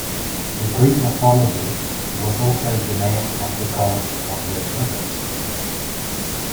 In Greek mythology, it was also the name of the gods of those rivers.